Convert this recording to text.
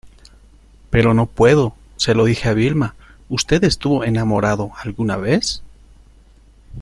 pero no puedo. se lo dije a Vilma .¿ usted estuvo enamorado alguna vez?